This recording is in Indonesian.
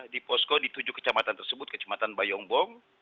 di posko di tujuh kecamatan tersebut kecamatan bayombong